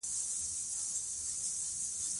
واده کې د ګډون لپاره روان شوو.